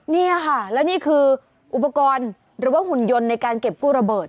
นี่ค่ะแล้วนี่คืออุปกรณ์หรือว่าหุ่นยนต์ในการเก็บกู้ระเบิด